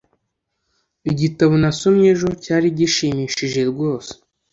igitabo nasomye ejo cyari gishimishije rwose